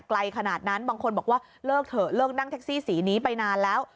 ไกลขนาดนั้นบางคนบอกว่าเลิกเถอะเลิกนั่งแท็กซี่สีนี้ไปนานแล้ว